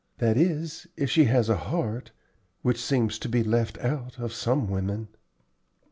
That is, if she has a heart, which seems to be left out of some women."